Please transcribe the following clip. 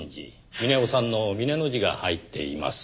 峰夫さんの峰の字が入っています。